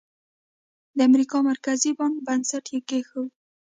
د امریکا مرکزي بانک بنسټ یې کېښود.